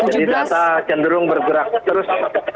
jadi data cenderung bergerak terus